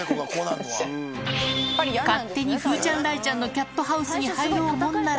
勝手に風ちゃん、雷ちゃんのキャットハウスに入ろうものなら。